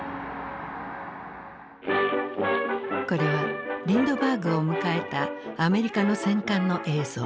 これはリンドバーグを迎えたアメリカの戦艦の映像。